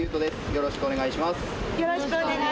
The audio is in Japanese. よろしくお願いします。